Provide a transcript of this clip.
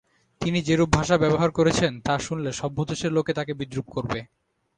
তিনি যেরূপ ভাষা ব্যবহার করেছেন, তা শুনলে সভ্য দেশের লোকে তাঁকে বিদ্রূপ করবে।